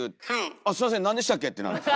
「あっすいません何でしたっけ」ってなるんです。